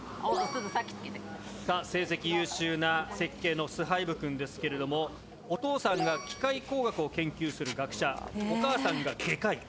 さあ成績優秀な設計のスハイブくんですけれどもお父さんが機械工学を研究する学者お母さんが外科医。